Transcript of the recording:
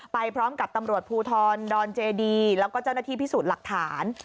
ไปพร้อมกับตำรวจภูทรดอนเจดีแล้วก็เจ้าหน้าที่พิสูจน์หลักฐาน